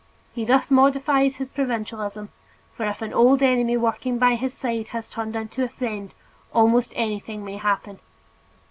He thus modifies his provincialism, for if an old enemy working by his side has turned into a friend, almost anything may happen.